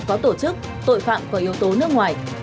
có tổ chức tội phạm có yếu tố nước ngoài